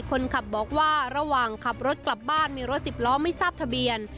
คนขับบอกว่าระหว่างขับรถกลับบ้านมีรถสิบล้อไม่ทราบทะเบียน